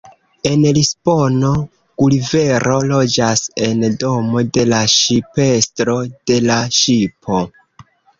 En Lisbono Gulivero loĝas en domo de la ŝipestro de la ŝipo.